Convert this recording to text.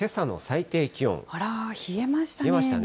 あらー、冷えましたね。